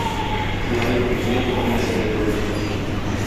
Ярый, безгә бу бернәрсә дә түгел.